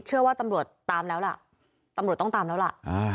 เชื่อว่าตำรวจตามแล้วล่ะตำรวจต้องตามแล้วล่ะ